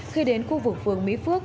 khi đến khu vực phường mỹ phước